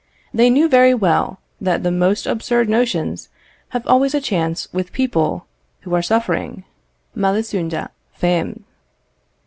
They knew very well that the most absurd notions have always a chance with people who are suffering; malisunda fames.